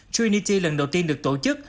trinity lần đầu tiên được tổ chức